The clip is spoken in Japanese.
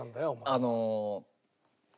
あの。